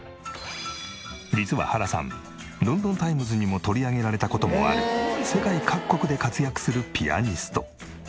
実は原さん『ロンドン・タイムズ』にも取り上げられた事もある世界各国で活躍するピアニスト。